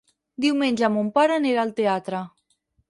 Diumenge mon pare anirà al teatre.